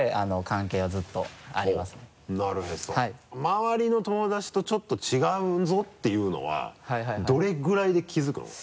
周りの友達とちょっと違うぞっていうのはどれぐらいで気付くの？